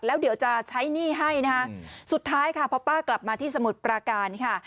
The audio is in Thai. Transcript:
แล้วเดี๋ยวจะใช้หนี้ให้นะคะสุดท้ายค่ะพอป้ากลับมาที่สมุทรปราการค่ะ